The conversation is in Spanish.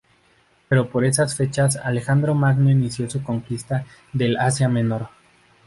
Pero por esas fechas Alejandro Magno inició su conquista del Asia Menor.